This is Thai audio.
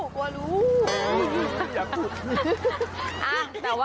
กลัวหลูอยากหลุด